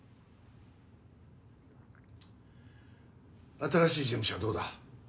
新しい事務所はどうだ？